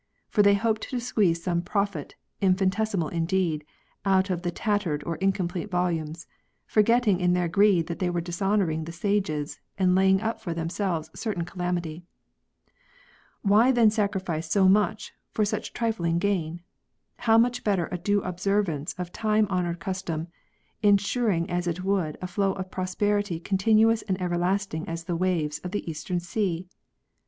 For they hoped to squeeze some profit, infinitesimal indeed, out of tattered or incomplete volumes ; forgetting in their greed that they were dishonouring the sages, and laying up for themselves certain calamity. Why then sacrifice so much for such trifling gain % How much better a due observance of tiii»e honoured custom, ensuring as it would a flow of prosperity continuous and everlasting as the waves of the eastern sea